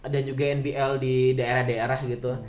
dan juga nbl di daerah daerah gitu